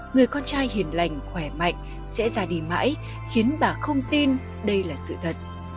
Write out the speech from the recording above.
người con trai hiền lành khỏe mạnh sẽ ra đi mãi khiến bà không tin đây là sự thật